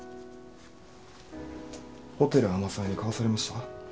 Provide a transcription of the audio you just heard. ホテル天沢に買わされました？